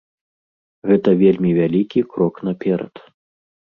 Гэта вельмі вялікі крок наперад.